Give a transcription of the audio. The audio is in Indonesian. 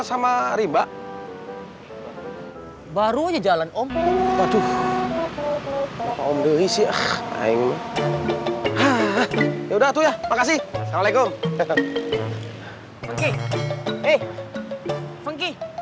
sama riba baru aja jalan om waduh om dewi sih ya udah tuh ya makasih assalamualaikum